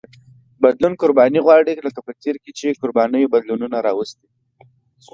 بدلون قرباني غواړي لکه په تېر کې چې قربانیو بدلونونه راوستي.